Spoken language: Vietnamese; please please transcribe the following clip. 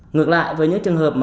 ngược lại với những trường hợp